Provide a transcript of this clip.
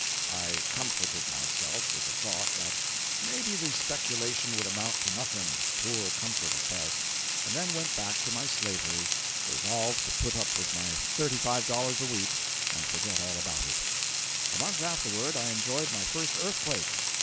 421.jpg (20K) I comforted myself with the thought that may be the speculation would amount to nothing—poor comfort at best—and then went back to my slavery, resolved to put up with my thirty five dollars a week and forget all about it. A month afterward I enjoyed my first earthquake.